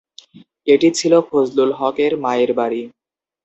এটি ছিল ফজলুল হকের মায়ের বাড়ি।